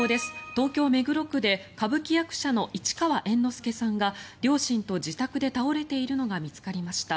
東京・目黒区で歌舞伎役者の市川猿之助さんが両親と自宅で倒れているのが見つかりました。